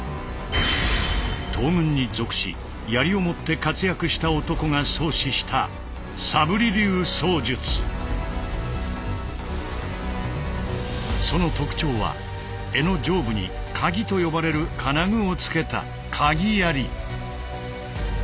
東軍に属し槍を持って活躍した男が創始したその特徴は柄の上部に鉤と呼ばれる金具をつけた鍵槍。